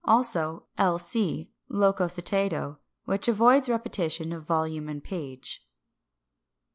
Also l. c., loco citato, which avoids repetition of volume and page.